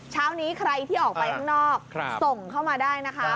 เช้านี้ใครที่ออกไปข้างนอกส่งเข้ามาได้นะคะ